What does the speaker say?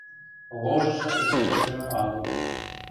Ложыжы эче ӹштӹмӹ агыл.